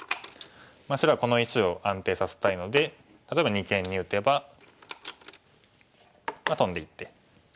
白はこの石を安定させたいので例えば二間に打てばトンでいって。